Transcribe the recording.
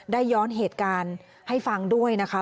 ย้อนเหตุการณ์ให้ฟังด้วยนะคะ